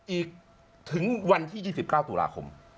อีกถึงวันที่๒๙ตุลาคม